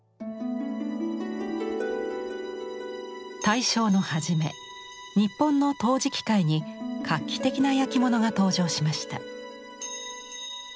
大正の初め日本の陶磁器界に画期的な焼き物が登場しました。